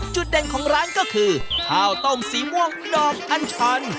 จุดเด่นของร้านก็คือข้าวต้มสีม่วงดอกอันชัน